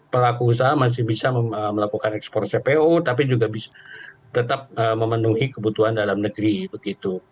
pelaku usaha masih bisa melakukan ekspor cpo tapi juga bisa tetap memenuhi kebutuhan dalam negeri begitu